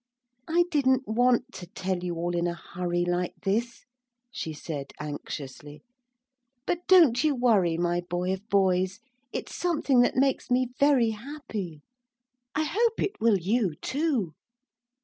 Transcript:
'I didn't want to tell you all in a hurry like this,' she said anxiously; 'but don't you worry, my boy of boys. It's something that makes me very happy. I hope it will you, too.'